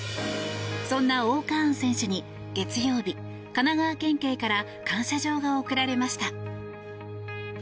そんな−Ｏ−カーン選手に月曜日神奈川県警から感謝状が贈られました。